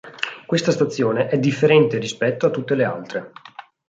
Questa stazione è differente rispetto a tutte le altre.